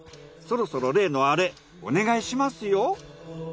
そろそろ例のアレお願いしますよ。